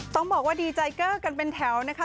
ต้องบอกว่าดีใจเกอร์กันเป็นแถวนะคะ